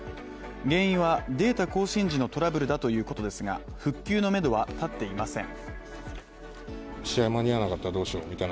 原因はデータ更新時のトラブルだということですが復旧のめどは立っていません。